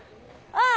ああ！